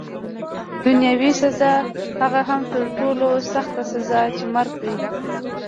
دنیاوي سزا، هغه هم تر ټولو سخته سزا چي مرګ دی.